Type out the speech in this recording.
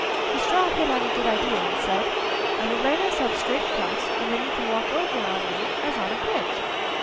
The straw hit on a good idea, and said: 'I will lay myself straight across, and then you can walk over on me as on a bridge.